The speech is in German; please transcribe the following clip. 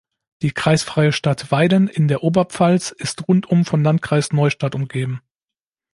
Die kreisfreie Stadt Weiden in der Oberpfalz ist rundum vom Landkreis Neustadt umgeben.